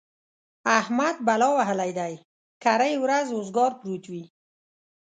احمد بلا وهلی دی؛ کرۍ ورځ اوزګار پروت وي.